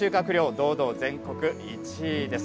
堂々全国１位です。